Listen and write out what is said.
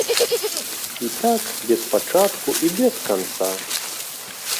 І так без пачатку і без канца.